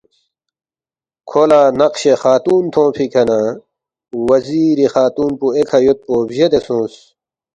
کھو لہ نقشِ خاتون تھونگفی کھہ نہ وزیری خاتون پو ایکھہ یودپو بجیدے سونگس